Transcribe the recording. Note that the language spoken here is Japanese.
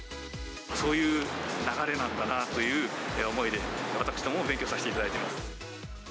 そういう流れなんだなあという思いで、私どもも勉強させていただいています。